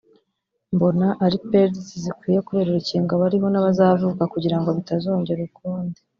mbona ari pages zikwiye kubera urukingo abariho n’abazavuka kugirango bitazongera ukundi